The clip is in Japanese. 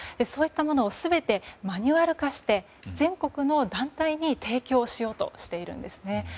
そういったものを全てマニュアル化して全国の団体に提供しようとしているんです。